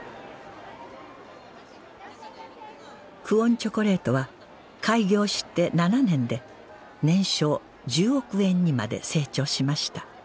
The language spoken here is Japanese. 「久遠チョコレート」は開業して７年で年商１０億円にまで成長しました